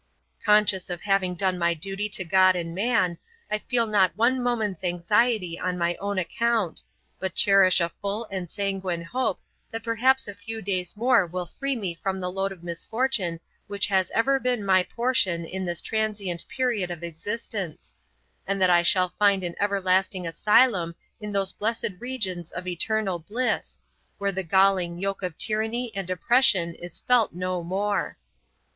Conscious of having done my duty to God and man, I feel not one moment's anxiety on my own account, but cherish a full and sanguine hope that perhaps a few days more will free me from the load of misfortune which has ever been my portion in this transient period of existence; and that I shall find an everlasting asylum in those blessed regions of eternal bliss, where the galling yoke of tyranny and oppression is felt no more.